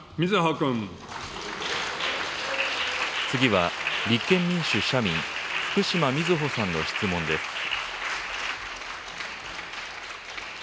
次は、立憲民主・社民、福島みずほさんの質問です。